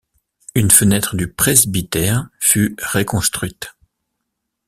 Une fenêtre du presbytère fut réconstruite.